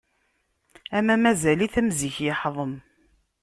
Ama mazal-it am zik yeḥḍem.